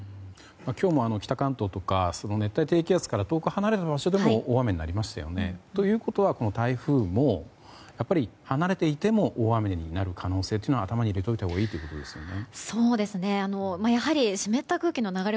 今日も北関東とか熱帯低気圧から遠く離れた場所でも大雨になりましたよね。ということはこの台風も離れていても大雨になる可能性を頭に入れておいたほうがいいということですよね？